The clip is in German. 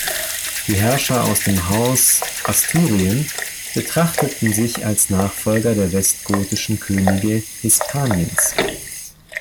Die Herrscher aus dem Haus Asturien betrachteten sich als Nachfolger der westgotischen Könige Hispaniens.